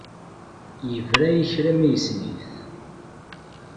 Yebra i kra ma yessen-it.